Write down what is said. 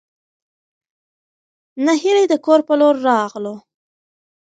نهېلى د کور په لور راغلو.